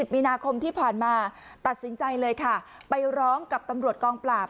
มีนาคมที่ผ่านมาตัดสินใจเลยค่ะไปร้องกับตำรวจกองปราบ